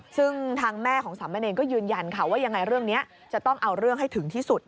ซึ่งทางแม่ของสามเณรก็ยืนยันค่ะว่ายังไงเรื่องนี้จะต้องเอาเรื่องให้ถึงที่สุด